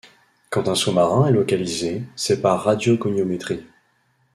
Quand un sous-marin est localisé, c'est par radiogoniométrie.